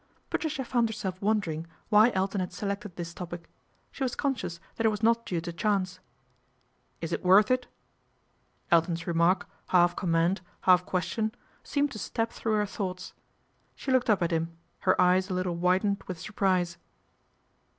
Patricia found herself wondering why Elton had selected this topic. She was conscious that it was not due to chance. ' Is it worth it ?" Elton's remark, half com mand, half question, seemed to stab through her thoughts. She looked up at him, her eyes a little widened with surprise.